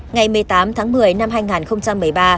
ngày một mươi tám tháng một mươi năm hai nghìn một mươi ba